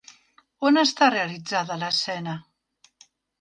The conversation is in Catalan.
On està realitzada l'escena?